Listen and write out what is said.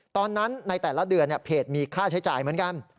ตอนนั้นในแต่ละเดือนเพจมีค่าใช้จ่ายเหมือนกัน